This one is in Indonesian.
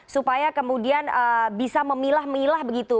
supaya kemudian bisa memilah milah begitu